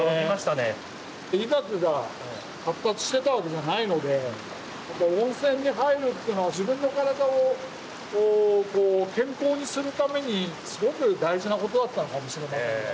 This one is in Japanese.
医学が発達してたわけじゃないので温泉に入るっていうのは自分の体を健康にするためにすごく大事なことだったのかもしれませんね。